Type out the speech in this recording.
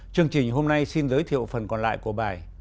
chương trình hôm nay xin giới thiệu phần còn lại của bài